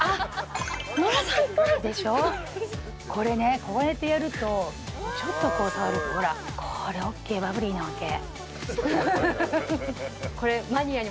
これねこうやってやるとちょっと触るとほらこれＯＫバブリーなわけふふふ